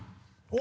お！